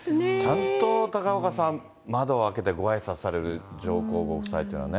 ちゃんと、高岡さん、窓を開けてごあいさつされる上皇ご夫妻というかね。